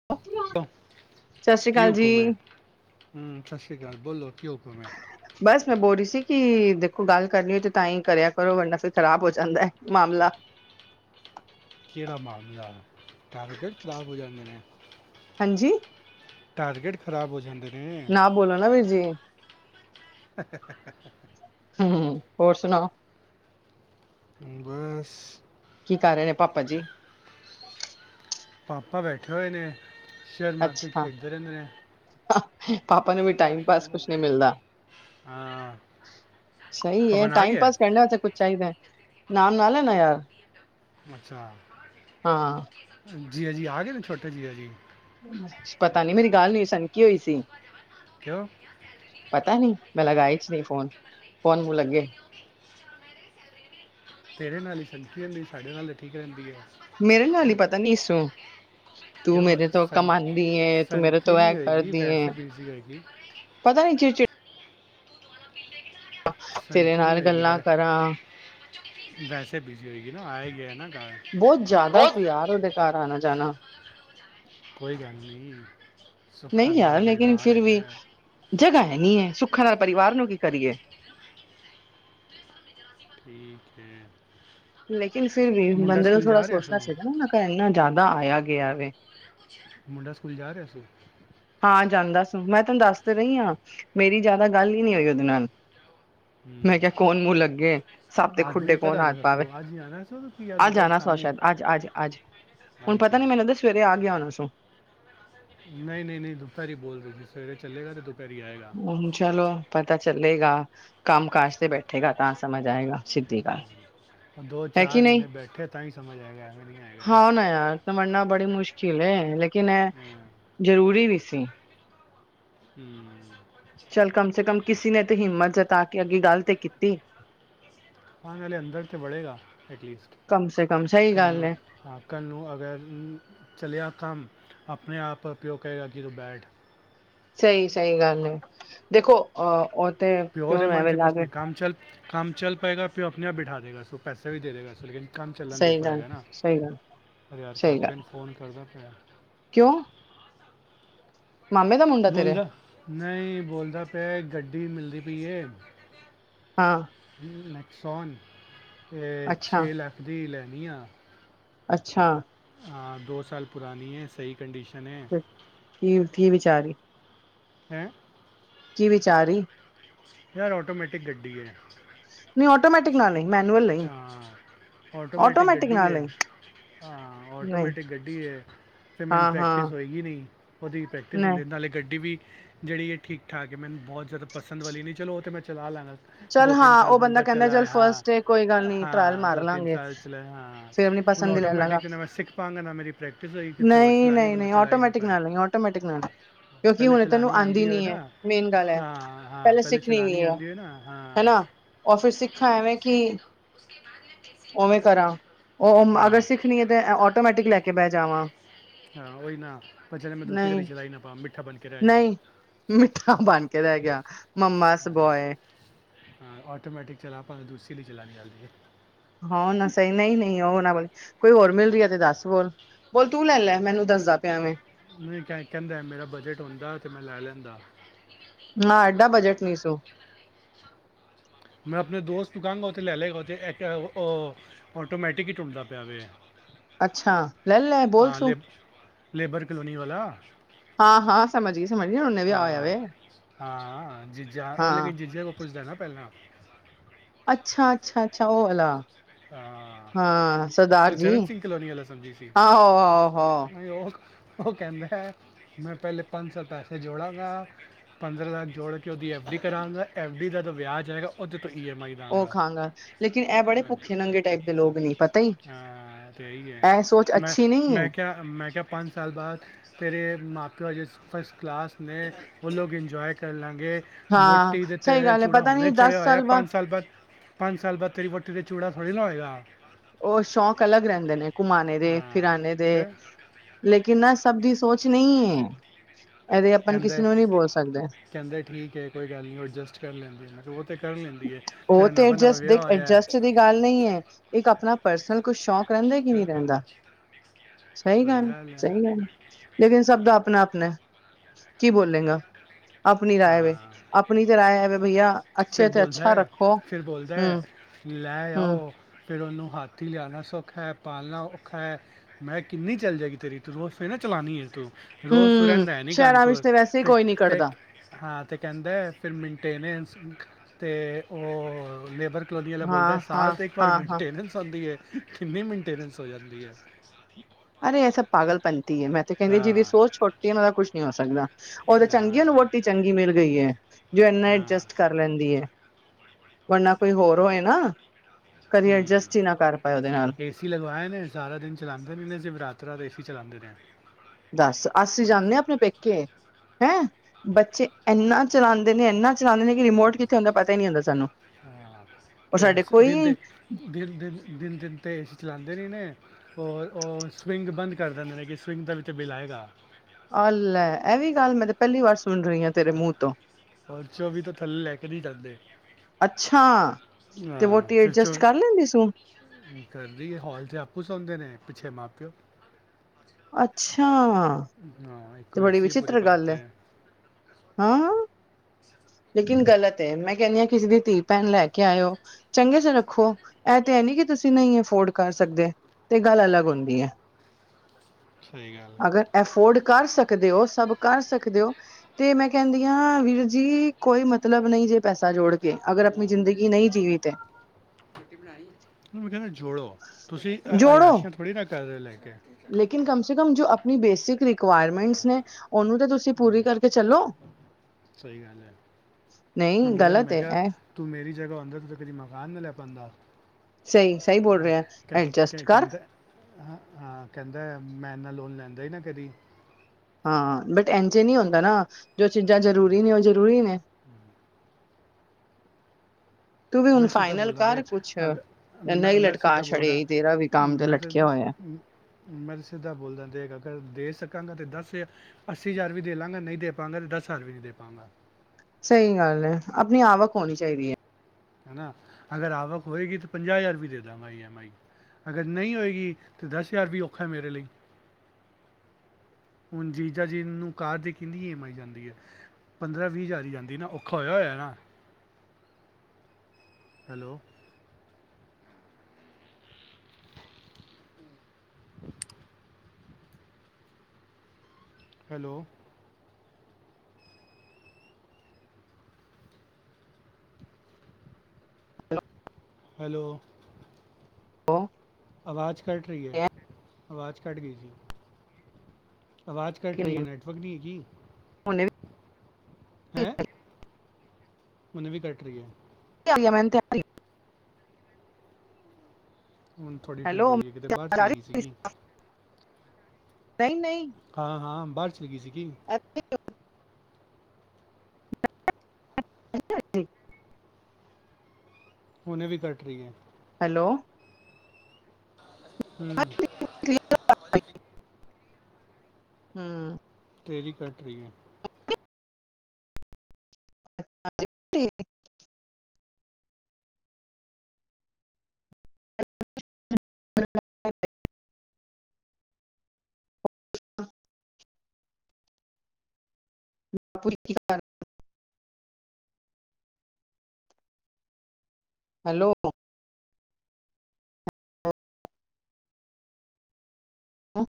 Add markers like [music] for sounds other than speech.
[unintelligible] ਸ੍ਰੀ ਕੀ ਅਕਾਲ ਹੁਕਮ ਜੀ ਐ, ਹੂੰ, ਸਤਿ ਸ੍ਰੀ ਅਕਾਲ, ਬੋਲੋ ਕੀ ਹੁਕਮ ਐ? ਬਸ ਮੈਂ ਬੋਲ ਰਹੀ ਸੀ ਕਿ ਦੇਖੋ ਗੱਲ ਕਰਨੀ ਐ ਤੇ ਤਾਂ ਹੀ ਕਰਿਆ ਕਰੋ, ਵਰਨਾ ਫਿਰ ਖ਼ਰਾਬ ਹੋ ਜਾਂਦਾ ਐ ਮਾਮਲਾ। ਕਿਹੜਾ ਮਾਮਲਾ, ਐਵੇਂ ਕਿਹੜੇ ਖ਼ਰਾਬ ਹੋ ਜਾਂਦੇ ਨੇ? ਹਾਂਜੀ? ਟਾਰਗੇਟ ਖ਼ਰਾਬ ਹੋ ਜਾਂਦੇ। ਨੇ ਨਾ ਬੋਲੋ ਨਾ ਵੀਰ ਜੀ। [unintelligible] ਹੂੰ ਹੂੰ, ਹੋਰ ਸੁਣਾਓ? ਬਸ। ਕੀ ਕਰ ਰਹੇ ਨੇ ਪਾਪਾ ਜੀ? ਪਾਪਾ ਬੈਠੇ ਹੋਏ ਨੇ। ਸ਼ੇਅਰ ਮਾਰਕੀਟ ਅੱਛਾ ਖ਼ਰੀਦ ਦੇ ਰਹਿੰਦੇ ਨੇ। ਪਾਪਾ ਨੂੰ ਵੀ ਟਾਈਮ ਪਾਸ ਕੁਛ ਨਹੀਂ ਮਿਲਦਾ ਹਾਂ। ਸਹੀ ਐ, ਪਵਨ ਆ ਟਾਈਮ ਗਿਆ ਪਾਸ ਹੈ? ਕਰਨਾ ਤੇ ਕੁਛ ਚਾਈਦਾ, ਨਾਲ ਰਲ ਨਾ ਯਾਰ। ਅੱਛਾ, ਹਾਂ ਜੀਯਾ ਜੀ ਆ ਗਏ ਨੇ, ਛੋਟੇ ਜੀਯਾ ਜੀ? ਪਤਾ ਨੀ ਮੇਰੀ ਗੱਲ ਨੀ ਸਨਕੀ ਹੋਈ ਸੀ ਕਿਓ? ਪਤਾ ਨੀ 'ਮੈਂ ਲਗਾਈ ਚ ਨ ਫੋਨ ਕੌਣ ਮੂੰਹ ਲੱਗੇ ਤੇਰੇ ਨਾਲ ਹੀ ਸੰਖੀਦੀ। ਸਾਡੇ ਨਾਲ ਤਾਂ ਠੀਕ ਰਹਿੰਦੀ ਏ ਮੇਰੇ ਨਾਲ ਈ ਪਤਾ ਨੀ ਸੁ ਤੂੰ ਕਿਉਂ ਮੇਰੇ ਤੋਂ ਸੰ ਕਮਾਦੀ ਏ। ਤੂੰ ਮੇਰੇ ਸੰਕੀ ਤੋਂ ਨਹੀਂ ਆਏ ਹੋਏਗੀ ਕਰਦੀ ਏ ਵੈਸੇ ਬਿਜ਼ੀ ਹੋਏਗੀ ਪਤਾ ਨੀ ਚਿਰ-ਚਿਰ ਤੇਰੇ ਸਨਕੀ ਨਹੀਂ ਨਾਲ ਹੋਏਗੀ ਗੱਲਾਂ ਕਰਾਂ ਵੈਸੇ ਬਿਜ਼ਜੀ ਹੋਏਗੀ ਨਾ ਆਏ ਗਿਆ ਨਾ ਤਾਂ ਬਹੁਤ ਜ਼ਿਆਦਾ ਸੀ ਯਾਰ ਉਹਦੇ ਘਰ ਆਣਾ-ਜਾਣਾ ਕੋਈ ਗੱਲ ਨਈ। ਨਹੀਂ ਸੁੱਖਾ ਨਾਲ ਯਾਰ ਲੇਕਿਨ ਪਰਿਵਾਰ ਫਿਰ ਵੀ ਹੈਗੈ ਜਗ੍ਹਾ ਹੈ ਨੀ ਹੈ, ਸੁੱਖਾਂ ਨਾਲ ਪਰਿਵਾਰ ਨੂੰ ਕੀ ਕਰੀਏ? ਠੀਕ ਏ। ਲੇਕਿਨ ਫਿਰ ਵੀ ਬੰਦੇ ਨੂੰ ਥੋੜ੍ਹਾ ਜਾ ਰਿਹਾ ਸੋ ਸੋਚਣਾ ਚਾਹੀਦਾ ਨਾ ਉਨ੍ਹਾਂ ਘਰ ਇੰਨਾ ਜ਼ਿਆਦਾ ਆਇਆ ਗਿਆ ਵੇ ਮੁੰਡਾ ਸਕੂਲ ਜਾ ਰਿਹਾ ਸੀ ਹਾਂ ਜਾਂਦਾ ਸੁ, ਮੈਂ ਤੇਨੁ ਦੱਸ ਤੇ ਰਹੀ ਆ ਮੇਰੀ ਜ਼ਿਆਦਾ ਗੱਲ ਹੀ ਨਹੀਂ ਹੋਈ ਉਹਦੇ ਨਾਲ ਮੈਂ ਹੂੰ ਕਿਆ ਕੌਣ ਮੂੰਹ ਲੱਗੇ ਸਭ ਦੇ ਆਦਮੀ ਖੁੱਡੇ ਨੇ ਕਦ ਕੌਣ ਹੱਥ ਆਣਾ ਪਾਵੇ। ਸੋ ਅੱਜ ਹੀ ਆਣਾ ਸੋ ਕਿ ਯਾ ਅੱਜ ਦੁਪਹਿਰ ਆਣਾ ਸੌ ਸ਼ਾਮੀ ਸ਼ਾਇਦ ਅੱਜ-ਅੱਜ-ਅੱਜ ਹੁਣ ਪਤਾ ਨੀ ਮੈਨੂੰ ਓਦਾ ਸਵੇਰੇ ਆ ਗਿਆ ਹੋਣਾ ਸੋਂ ਨਹੀਂ-ਨਹੀਂ-ਨਹੀਂ। ਦੁੱਪਾਰੀ ਬੋਲਰੇ ਸ਼-ਸਵੇਰੇ ਚੱਲੇਗਾ ਤੇ ਦੁੱ ਚਲੋ ਪਤਾ ਚੱਲੇਗਾ। ਕੰਮ ਕਾਜ ਤੇ ਬੈਠੇਗਾ ਤਾਂ ਸਮਝ ਆਏਗਾ ਗੱਲ ਹੂੰ। ਹੈ ਕਿ ਦੋ-ਚਾਰ ਨਹੀਂ ਮਹੀਨੇ ਬੈਠੇ ਤਾਂ ਹੀ ਸਮਝ ਆਏਗਾ ਐਵੇਂ ਨੀ ਆਏਗਾ। ਪੜ੍ਹਨਾ ਬੜੀ ਮੁਸ਼ਕਿਲ ਏ ਲੇਕਿਨ ਇਹ ਹਾਂ ਜ਼ਰੂਰੀ ਵੀ ਸੀ ਹੂੰ। ਚੱਲ ਕਮ ਸੇ ਕਮ ਕਿਸੇ ਨੇ ਤੇ ਹਿੰਮਤ ਜਤਾ ਕੇ ਅੱਗੇ ਗੱਲ ਤੇ ਕੀਤੀ। ਖਾਨ ਵੇਲੇ ਅੰਦਰ ਤੇ ਵੜੇਗਾ। ਐਟਲੀਸਟ ਕਮ ਸੇ ਕਮ ਸਹੀ ਕਲ ਗੱਲ ਨੂੰ ਹੈ ਹਾਂ ਕਲ ਨੂੰ ਅਗਰ ਚਲਿਆ ਕੰਮ ਆਪਣੇ-ਆਪ ਪਿਓ ਕ‌ਏਗਾ ਕੀ ਤੂੰ ਬੈਠ। ਸਈ-ਸ‌ਈ ਗੱਲ ਏ। ਦੇਖੋ ਅਹ- ਪਿਓ ਦੇ ਮਨ 'ਚ ਕੁਛ ਨੀ, ਕੰਮ ਚੱਲ- ਕਮ ਚੱਲ ਪਏਗਾ, ਪਿਓ ਆਪਣੇ ਆਪ ਬਿਠਾ ਦੇਗਾ, ਸੋ ਪੈਸੇ ਵੀ ਦੇਗਾ। ਸੋ- ਕੰਮ ਚੱਲਣ ਦੇ ਸਹੀ ਉੱਪਰ ਗੱਲ ਹੈਗਾ ਨਾ। ਸਹੀ ਗੱਲ ਆ ਯਾਰ ਸਹੀ ਕੈਪਟੇਨ ਗੱਲ ਫੋਨ ਕਰਦਾ ਪਿਆ। ਕਿਉਂ? ਮਾਮੇ ਦਾ ਮੁੰ [unintelligible] ਨਈ ਬੋਲਦਾ ਪਿਐ। ਗੱਡੀ ਮਿਲਦੀ ਪਈ ਏ। ਹਾਂ। ਨੈਕਸੋਨ ਤੇ ਅੱਛਾ ਛੇ ਲੱਖ ਦੀ ਲੈਣੀ ਆ। ਅੱਛਾ। ਹਾਂ ਦੋ ਸਾਲ ਪੁਰਾਣੀ ਏ। ਸ‌ਈ ਕੰਡੀਸ਼ਨ ਏ। ਕੀ-ਕੀ ਵਿਚਾਰੀ ਹੈਂ। ਕੀ ਵਿਚਾਰੀ? ਯਾਰ ਆਟੋਮੈਟਿਕ ਗੱਡੀ ਏ। ਨਹੀਂ ਆਟੋਮੈਟਿਕ ਨਾ ਲਈ ਮੈਨੂਅਲ ਲਈ ਹਾਂ ਆਟੋਮੈਟਿਕ ਗੱਡੀ ਨਾ ਏ। ਲਈ ਹਾਂ। ਨਹੀਂ ਆਟੋਮੈਟਿਕ ਗੱਡੀ ਏ। ਫੇਰ ਮੈਨੂੰ ਹਾਂ ਹਾਂ ਪ੍ਰੈਕਟਿਸ ਹੋਏਗੀ ਨੀ। ਓਦੀ ਪ੍ਰੈਕਟਿਸ ਨਹੀਂ ਹੁੰਦੀ ਨਾਲੇ ਗੱਡੀ ਵੀ ਜੇੜੀ ਏ ਠੀਕ-ਠਾਕ ਏ। ਮੈਨੂੰ ਬੋਤ ਜਾਦਾ ਪਸੰਦ ਵਲੀ ਨੀ। ਚਲੋ ਓ ਤਾਂ ਮੈਂ ਚਲਾ ਲਾਂਗਾ। ਚੱਲ ਦੋ-ਤਿੰਨ ਹਾਂ ਸਾਲ ਉਹ ਬੰਦਾ ਕਹਿੰਦਾ ਚੱਲ ਚਲਾਏ, ਆ। ਫਸਟ ਡੇ ਕੋਈ ਗੱਲ ਨੀ ਟਰਾਇਲ ਹਾਂ ਮਾਰ ਦੋ-ਤਿੰਨ ਲਾਂਗੇ ਸਾਲ ਚਲੇ, ਹਾਂ। ਫੇਰ ਆਪਣੀ ਹੁਣ ਪਸੰਦ ਦੀ ਲੈ ਲਾਂਗਾ ਆਟੋਮੈਟਿਕ ਯੂਨੀਵਰਸਿਟੀ ਚ ਨਾ ਮੇਰੀ- ਪ੍ਰੈਕਟਿਸ ਹੋ‌ਈ ਕਿਥੇ ਹੋਰ ਨਹੀਂ ਚਲਾਨੀ, ਨਹੀਂ ਬੰਦਾ ਨਹੀਂ ਚਲਾ ਈ ਨਾ ਆਟੋਮੈਟਿਕ ਪਾਏ। ਨਾਲ ਨਹੀਂ ਆਟੋਮੈਟਿਕ ਨਾਲ ਕਿਉਂਕਿ ਪੈਲੇ ਹੁਣੇ ਤੈਨੂੰ ਚਲਾਨੀ ਆਂਦੀ ਹੋਏ ਨੀ ਹੈ ਨਾ ਮੇਨ ਗੱਲ ਹੈ ਹਾਂ-ਹਾਂ, ਪਹਿਲੇ ਪੈਲੇ ਚਲਾਣੀ ਆਂਦੀ ਹੋਏ ਨਾ, ਹਾਂ ਔਫਿਸ ਸਿੱਖ ਆਯਾ ਵੇ ਕੀ [unintelligible] ਓਵੇਂ ਕਰਾਂ, ਓ ਓ ਅਗਰ ਸਿੱਖਣੀ ਏ ਤੇ ਆਟੋਮੈਟਿਕ ਲੈ ਕੇ ਬੈ ਜਾਵਾਂ। ਹਾਂ ਓਈ ਨਾ ਪਤਾ ਚਲੇ ਮੈਂ ਦੁਸਰੀ ਕਦੀ ਨਹੀਂ ਚਲਾ ਈਨਾ ਪਾਂਵਾਂ, ਮਿੱਠਾ ਬਣ ਕੇ ਰੈਜਾ। ਨਹੀਂ ਮਿੱਠਾ ਬਣ ਕੇ ਰੈ ਗਿਆ, ਮੰਮਾ ਸ ਬੋਯ। ਆਟੋਮੈਟਿਕ ਚਲਾ ਭਾਵੇ, ਦੂਸਰੇ ਵੀ ਚਲਾਣੀ ਆਂਦੀ ਏ। ਹਾਂ, ਨਾ ਸ‌ਈ ਨ‌ਈ-ਨਈ ਓ ਨਾ ਬ‌ਈ। ਕੋਈ ਹੋਰ ਮਿਲ ਰੀ ਐ ਤੇ ਦੱਸ ਬੋਲ। ਬੋਲ ਤੂੰ ਲੈ ਲੈ। ਮੈਨੂੰ ਦੱਸਦਾ ਪਿਆ ਵੇਂ। ਨਈ ਕੈ ਕੈਂਦਾ ਮੇਰਾ ਬਜਟ ਹੁੰਦਾ ਤੇ ਮੈਂ ਲੈ ਲੈਂਦਾ। ਨਨਾਂ ਏਡਾ ਬਜਟ ਨੀ ਸੂ। ਮੈਂ ਅਪਨੇ ਦੋਸਤ ਨੂੰ ਕਾਗਾਂ, ਓ ਤੇ ਲੈ ਲੇਗਾ ਓ ਤੇ ਇਕ ਓ- ਆਟੋਮੈਟਿਕ ਈ ਟੁੰਡਦਾ ਪਿਆ ਵੇ। ਅੱਛਾ, ਲਲੈ ਬੋਲ ਹਾਂ ਸੁੁ। ਲੇਬਰ ਕਲੋਨੀ ਵਾਲਾ। ਹਾਂ-ਹਾਂ। ਸਮਝ ਗੀ, ਸਮਝ ਗੀ ਹੁਣ ਹਾਂ-ਹਾਂ ਜੀਜਾ ਓ ਹਾਂ, ਲੇਕਿਨ ਜੀਜਾ ਕੋਲ ਪੁੱਛਦਾ ਨਾ ਪੈਲਾਂ। ਅੱਛਾ-ਅੱਛਾ, ਅੱਛਾ ਓ ਵਾਲਾ। ਹਾਂ, ਹਾਂ ਸਰਦਾਰ ਤੂੰ ਜੀ ਚਰਨ ਸਿੰਘ ਕਲੋਨੀ ਆਲਾ ਸਮਝੀ ਸੀ, ਆਹੋ, ਆਹੋ, ਆਹੋ ਵਿਯੋਕ? ਓ ਕੈਂਦਾ ਐ, ਮੈਂ ਪੈਲੇ ਪੰਜ ਸਾਲ ਪੈਸੇ ਜੋੜਾਂਗਾ ਪੰਦਰਾਂ ਲੱਖ ਜੋੜ ਕੇ ਓਦੀ ਐਫ ਡੀ ਕਰਾਂਗਾ। ਐਫ ਡੀ ਦਾ ਜੋ ਵਿਆਜ ਆਏਗਾ ਓਦੇ ਉਪਰ ਈ ਐਮ ਆਈ- ਓ ਖਾਂਗਾ ਲੇਕਿਨ ਐ ਬੜੇ ਭੁੱਖੇ-ਨੰਗੇ ਟਾਈਪ ਦੇ ਲੋਕ ਨੇ, ਪਤਾ ਈ? ਹਾਂ, ਓ ਤੇ ਐਈ ਐ। ਮੈਂ ਨਹੀਂ ਮੈਂ ਹੈ। ਕੇਯਾ ਮੈਂ ਕੇਯਾ ਪੰਜ ਸਾਲ ਬਾਦ- ਤੇਰੇ ਮਾਂ-ਪਿਓ ਹਜੇ ਫਸਟ ਕਲਾਸ ਨੇ, ਓ ਲੋਕ ਇੰਜੋਏ ਕਰ ਲਾਂਗੇ। ਹਾਂ ਵੋਟੀ ਦੇ ਸਹੀ ਤੇਰੇ ਗੱਲ ਹੈ ਚੂੜਾ ਪਤਾ ਹੁਣੇ ਨੀ ਚੜਿਆ ਦਸ ਹੋਇਆ, ਬਾਅਦ ਪੰਜ ਸਾਲ ਬਾਦ ਪੰਜ ਸਾਲ ਬਾਦ ਤੇਰੀ ਵੋਟੀ ਦੇ ਚੂੜਾ ਥੋੜੀ ਨਾ ਹੋਏਗਾ। ਓ ਸ਼ੌਕ ਅਲੱਗ ਰੈਂਦੇ ਨੇ ਘੁਮਾਣੇ ਦੇ ਹਾਂ ਫਿਰਾਣੇ ਦੇ ਫਿਰ ਲੇਕਿਨ ਲੇਕਿਨ ਨਾ ਸਭ ਦੀ ਸੋਚ ਨਈਂ ਏ। ਕੈਂਦੇ ਕੈਂ ਦੇ ਠੀਕ ਏ, ਕੋਈ ਗੱਲ ਨਈਂ, ਓ ਐਡਜਸਟ ਕਰ ਲੈਂਦੀ ਏ। ਤੇ ਕਰ ਲੈਂਦੀ ਏ, ਉਹ ਤੇਰਾ ਤੇ ਨਵਾਂ-ਨਵਾਂ ਐਡਜਸਟ ਵਿਯਾ ਦੇਖ ਹੋਇਆ। ਐਡਜਸਟ ਦੀ ਗੱਲ ਨਈਂ ਏ, ਇੱਕ ਅਪਣਾ ਪਰਸਨਲ ਕੋਈ ਸ਼ੌਕ ਰੈਂਦਾ ਕਿ ਨਈਂ ਫਿਰ ਰੈਂਦਾ, ਸਈ ਸਹੀ ਗੱਲ, ਹੈ ਸਈ ਗੱਲ। ਲੇਕਿਨ ਸਭ ਦਾ ਅਪਨਾ-ਅਪਨਾ। ਕੀ ਬੋਲੇਂਗਾ, ਅਪਨੀ ਰਾਏ ਵੇ ਅਪਨੀ ਤਾਂ ਰਾਏ ਐ ਵੇ ਭਈਆ ਫੇਰ ਬੋਲਦੈ, ਫੇਰ ਬੋਲਦੈ, ਲੈ ਹੂੰ ਆਓ। ਫੇਰ ਓਨੂੰ ਹਾਥੀ ਲਿਆਣਾ ਸੌਖੈ, ਪਾਲਣਾ ਔਖੈ। ਮੈਂ ਕਿੰਨੀ ਚੱਲ ਜੇਗੀ ਤੇਰੀ ਤੂੰ ਰੋਜ਼ ਤੇ ਨਾ ਚਲਾਨੀ ਐ, ਤੂੰ ਰੋਜ ਤੂੰ ਹੂੰ ਰੈਂਦਾ ਹੈ ਨੀ ਸ਼ਹਿਰਾਂ ਵਿੱਚ ਕਾਨਪੁਰ। ਤੇ ਵੈਸੇ ਹੀ ਤੇ ਕੋਈ ਨੀ ਤੇ ਕੱਢਦਾ ਹਾਂ, ਤੇ ਕੈਂਦਾ ਫੇਰ ਮੇਨਟੇਨੈਂਸ ਤੇ ਓ ਲੇਬਰ ਬੋਲਦਾ ਹਾਂ ਸਾਲ ਹਾਂ ਤੇ ਏਕ ਵਾਰ ਹਾਂ ਹਾਂ ਮੇਨਟਨੈਂਸ ਹੁੰਦੀ ਐ, ਕਿੰਨੀ ਮੇਨਟੇਨੈਂਸ ਹੋ ਜਾਂਦੀ ਏ? ਅਰੇ ਐ ਸਭ ਪਾਗਲਪੰਤੀ ਏ, ਮੈਂ ਤੇ ਕੈਂਦੀ ਜੀਦੀ ਹਾਂ ਸੋਚ ਛੋਟੀ ਏ, ਓਦਾ ਕੁੱਛ ਨੀਂ ਹੋ ਸਕਦਾ। ਓ ਤੇ ਚੰਗੀ ਏ, ਹਾਂ ਓਨੂੰ ਵੋਟੀ ਚੰਗੀ ਮਿਲ ਗਈ ਏ, ਜੋ ਏਨਾ ਹਾਂ ਐਡਜਸਟ ਕਰ ਲੈਂਦੀ ਐ ਬਰਨਾ ਕੋਈ ਹੋਰ ਹੋਏ ਨਾ ਕਦੇ ਹੂੰ ਐਡਜਸਟ ਹੀ ਨਾ ਕਰ ਪਾਏ ਓਦੇ ਨਾਲ ਏਸੀ ਲਗਵਾਏ ਨੇ ਸਾਰਾ ਦਿਨ ਚਲਾਦੇ ਨੇ ਸਿਰਫ ਰਾਤ ਰਾਤ ਏ ਸੀ ਚਲਾਦੇ ਨੇਆ ਦੱਸ ਅਸੀਂ ਜਾਂਨੇ ਆ ਆਪਣੇ ਪੇਕੇ। ਹੈਂ, ਬੱਚੇ ਏਨਾ ਚਲਾਂਦੇ ਨੇ, ਏਨਾ ਚਲਾਂਦੇ ਨੇ ਕਿ ਰਿਮੋਟ ਕਿੱਥੇ ਹੁੰਦਾ ਪਤਾ ਈ ਨੀ ਹੁੰਦਾ ਸਾਨੂੰ, ਪਰ ਸਾਡੇ ਕੋਈ ਦਿਨ-ਦਿਨ, ਦਿਨ-ਦਿਨ ਤੇ ਏਸੀ ਚਲਾਦੇ ਰੈਨੇ ਐ ਓ ਸਵਿੰਗ ਬੰਦ ਕਰ ਦਿੰਦੇ ਨੇ ਕਿ ਸਵਿੰਗ ਦਾ ਵੀ ਤੇ ਬਿੱਲ ਆਏਗਾ। ਆ ਲੈ ਐ ਵੀ ਗੱਲ ਮੈਂ ਤੇ ਪੈਲੀ ਵਾਰ ਸੁਣ ਰਈ ਆਂ। ਆਹ ਫਰਚੋਂਵੀ ਤੋਂ ਥੱਲੇ ਲੈ ਕੇ ਨੀ ਚਲਦੇ। ਅੱਛਾ! ਤੇ ਵਹੁਟੀ ਸਿਰਫ ਐਡਜਸਟ ਚੋ ਕਰ ਲੈਂਦੀ ਸੂੰ। ਕਰਦੀ ਐ ਹਾਲ ਤੇ ਆਪੂ ਸੌਦੇ ਨੇ ਪਿੱਛੇ ਮਾਂ-ਪੇਓ। ਅੱਛਾ! ਹਾਂ, ਤੇ ਇੱਕੋਂ ਏ ਬੜੀ ਸੀ ਪੂਰੇ ਵਿਚਿੱਤਰ ਘਰ ਗੱਲ ਹੈ 'ਤੇ। ਹਾਂ! ਲੇਕਿਨ ਗ਼ਲਤ ਐ ਮੈਂ ਕੈਨੀ ਆਂ ਕਿਸੇ ਦੀ ਧੀ ਭੈਣ ਲੈ ਕੇ ਆਏਓ ਚੰਗੇ ਚ ਰੱਖੋ ਐ ਤੇ ਹੈ ਨੀ ਕਿ ਤੁਸੀਂ ਨਈ ਅਫੋਰਡ ਕਰ ਸਕਦੇ ਤੇ ਗੱਲ ਅਲੱਗ ਹੁੰਦੀ ਐ। ਸਈ ਗੱਲ ਐ। ਅਫੋਰਡ ਕਰ ਸਕਦੇ ਓ, ਸਭ ਕਰ ਸਕਦੇ ਓ ਤੇ ਮੈਂ ਕੈਂਦੀ ਹਾਂ ਵੀਰ ਜੀ ਕੋਈ ਮਤਲਬ ਨਈਂ ਜੇ ਪੈਸਾ ਜੋੜ ਕੇ ਅਗਰ ਆਪਣੀ ਜ਼ਿੰਦਗੀ ਨਈਂ ਜੀਵਿਤ ਐ। ਮੈਂ ਕੈਨਾ ਜੋੜੋ ਤੁਸੀਂ ਜੋੜੋ ਆਯਾਸ਼ੀਆਂ ਥੋੜ੍ਹੀ ਨਾ ਕਰ ਰੇ ਲੈ ਕੇ। ਚੱਲ ਲੇਕਿਨ ਕਮ ਸੇ ਕਮ ਜੋ ਆਪਣੀ ਬੇਸਿਕ ਰਿਕੁਆਇਰਮੈਂਟਸ ਨੇ ਓਨੂੰ ਤੇ ਤੁਸੀਂ ਹਮ, ਪੂਰੀ ਕਰਕੇ ਚਲੋ। ਸਹੀ ਗੱਲ ਹੈ ਮੈਂ ਨਹੀਂ ਬੋਲਿਆ ਗਲਤ ਮੈਂ ਹੈ ਕਿਆ ਇਹ ਤੂੰ ਮੇਰੀ ਜਗ੍ਹਾ ਹੁੰਦਾ ਤੂੰ ਕਦੀ ਮਕਾਨ ਨਾ ਲੈ ਪਾਂਦਾ। ਸਹੀ ਸਹੀ ਬੋਲ ਹਾਂ! ਰਿਹਾ ਕੈ ਐਡਜਸਟ ਕੈ ਕਰ ਕੈਂਦਾ। ਹਾਂ, ਹਾਂ, ਕੈਂਦਾ ਮੈਂ ਏਨਾ ਲੋਨ ਲੈਂਦਾ ਈ ਨਾ ਕਦੀ। ਹਾਂ, ਬਟ ਇੰਝੇ ਨੀ ਹੁੰਦਾ ਨਾ ਜੋ ਚੀਜ਼ਾਂ ਜ਼ਰੂਰੀ ਨੇ ਓ ਚੀ ਜ਼ਰੂਰੀ ਨੇ। ਤੂੰ ਵੀ ਹੁਨ ਮੈਂ ਸਿੱਧਾ ਫਾਈਨਲ ਬੋਲਦਾ ਕਰ ਦੇਖ ਕੁਛ ਤੇ ਅਗ ਏਨਾ ਮੈਂ ਨੇ ਮੈਂ ਲਟਕਾ ਸਿੱਧਾ ਛੜਿਆ ਬੋਲਦਾ ਈ ਤੇਰਾ ਵੀ ਕਮ ਤੇ ਮੈਂ ਤਾਂ ਲਟਕਿਆ ਹੋਇਆ। ਮੈਂ ਸਿੱਦਾ ਬੋਲਦਾ ਦੇ ਸਕਾਂਗਾ ਤੇ ਦੱਸ ਹਜਾਰ। ਅੱਸੀ ਹਜ਼ਾਰ ਵੀ ਦੇ ਲਾਂਗਾ ਨਈ ਦੇ ਪਾਂਗਾ ਤੇ ਦਸ ਹਜ਼ਾਰ ਵੀ ਨਈ ਦੇ ਪਾਂਗਾ। ਸਈ ਗੱਲ ਐ, ਆਪਣੀ ਆਵਕ ਹੋਣੀ ਚਾਈਦੀ ਐ। ਹਨਾ ਅਗਰ ਆਵਕ ਹੋਏਗੀ ਤਾਂ ਪੰਜਾ ਹਜ਼ਾਰ ਵੀ ਦੇ ਦਾ ਈ ਐਮ ਆਈ ਅਗਰ ਨਈ ਹੋਏਗੀ ਤਾਂ ਦਸ ਹਜ਼ਾਰ ਵੀ ਔਖਾ ਮੇਰੇ ਲਈ। ਹੁਣ ਜੀਜਾ ਜੀ ਨੂੰ ਕਾਰ ਦੀ ਕਿੰਨੀ ਈ ਐਮ ਆਈ ਜਾਂਦੀ ਐ। ਪੰਦਰਾਂ ਵੀਹ ਹਜ਼ਾਰੀ ਜਾਂਦੀ ਨਾ ਔਖਾ ਹੋਆ ਹੋਇਆ ਨਾ। ਹੈਲੋ। [inaudible] ਹੈਲੋ। [inaudible] ਹੈਲੋ। ਓ ਆਵਾਜ਼ ਕੱਟ ਰਈ ਐ, ਆਵਾਜ਼ ਕੱਟ ਗਈ ਸੀ। ਆਵਾਜ਼ ਕਟ ਰਈ ਐ, ਹੈਲੋ ਨੈਟਵਰਕ ਨੀ ਐ, ਕੀ? ਠੀਕ ਹੈ ਮਨ ਵੀ ਕੱਟ ਰਹੀ ਹੈ। ਆ ਗਿਆ ਮੈਂਨ ਤਿਆਰੀ ਆਪੇ ਹੁਣ ਤੁਹਾਡੀ ਠੀਕ ਹੋਈ ਹੈ। ਕਿਤੇ ਬਰ ਚਲੀ ਗਈ ਸੀ ਕਿ ਨਹੀਂ-ਨਹੀਂ ਹਾਂ-ਹਾਂ ਬਾਹਰ ਚਲੇ, ਗਈ ਸੀਗੀ ਅੱ ਅੱਛਾ ਹੁਣ ਵੀ ਕੱਟ ਰਹੀ ਹੈ। ਹੈਲੋ ਹੂ, ਹੂੰ ਹੂ, ਤੇਰੀ ਕਟ ਰਹੀ ਹੈ। ??????? ਹੈਲੋ ਹੂ ????